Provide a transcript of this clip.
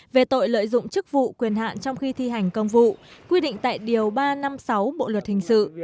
về tội lợi dụng chức vụ quyền hạn trong khi thi hành công vụ quy định tại điều ba trăm năm mươi sáu bộ luật hình sự